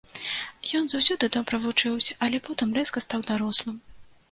Ён заўсёды добра вучыўся, але потым рэзка стаў дарослым.